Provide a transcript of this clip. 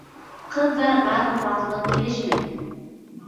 Ҡыҙҙарға тупаҫлыҡ килешмәй.